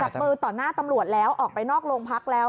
จับมือต่อหน้าตำรวจแล้วออกไปนอกโรงพักแล้ว